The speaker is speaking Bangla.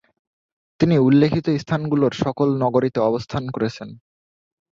তিনি উল্লেখিত স্থানগুলোর সকল নগরীতে অবস্থান করেছেন।